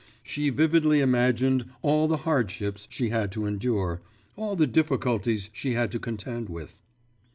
She vividly imagined all the hardships she had to endure, all the difficulties she had to contend with.